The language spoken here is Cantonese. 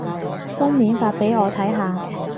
封面發畀我睇下